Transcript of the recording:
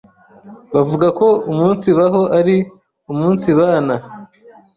bavuga ko umunsibaho ari uumunsibana.